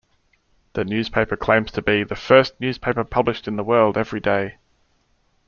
The newspaper claims to be "The First Newspaper Published In The World Every Day".